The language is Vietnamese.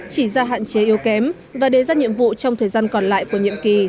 chỉ ra hạn chế yếu kém và đề ra nhiệm vụ trong thời gian còn lại của nhiệm kỳ